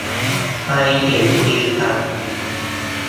ไปสิงห์บุรีกัน